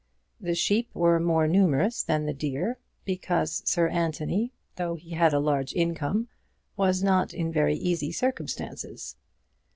The sheep were more numerous than the deer, because Sir Anthony, though he had a large income, was not in very easy circumstances.